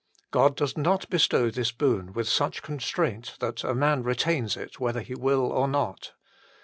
God does not bestow this boon with such constraint that a man retains it whether he will or not.